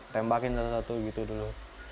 tembakin satu gitu dulu